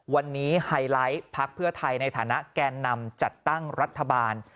วันนี้ไฮไลท์พักเพื่อไทยในฐานะแกนนำจัดตั้งรัฐบาล